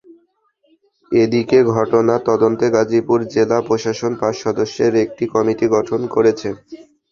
এদিকে ঘটনার তদন্তে গাজীপুর জেলা প্রশাসন পাঁচ সদস্যের একটি কমিটি গঠন করেছে।